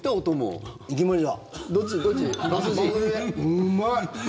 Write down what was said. うまい！